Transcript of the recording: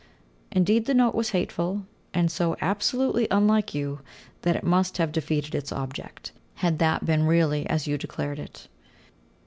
Indeed, the note was hateful, and so absolutely unlike you, that it must have defeated its object, had that been really as you declared it.